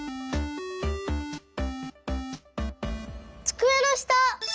つくえのした！